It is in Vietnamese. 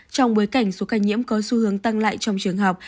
trong bối cảnh số ca nhiễm có xu hướng tăng lại trong trường học